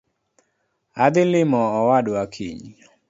Adhii limo owadwa kiny.